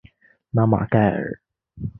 拉马盖尔。